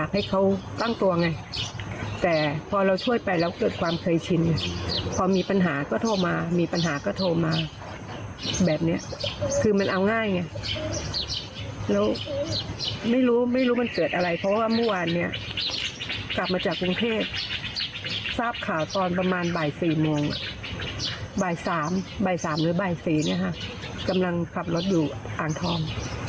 บ่าย๓บ่าย๓หรือบ่าย๔นะฮะกำลังขับรถอยู่อ่างธรรม